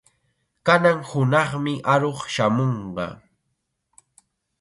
Kanan hunaqmi aruq shamunqa.